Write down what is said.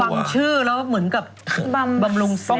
บำชื่อแล้วเหมือนกับบำรุงเซ็ก